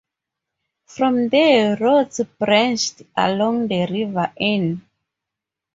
From there roads branched along the River Inn.